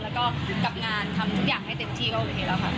แล้วก็กับงานทำทุกอย่างให้เต็มที่ก็โอเคแล้วค่ะ